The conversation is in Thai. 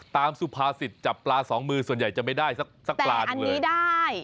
ตามสุภาษิตจับปลาสองมือส่วนใหญ่จะไม่ได้สักกลานเลย